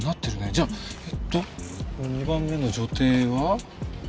じゃあえーっと２番目の女帝は。